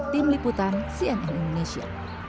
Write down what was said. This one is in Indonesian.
tim liputan cnn indonesia